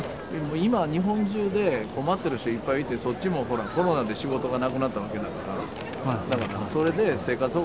今日本中で困ってる人いっぱいいてそっちもコロナで仕事がなくなったわけだから。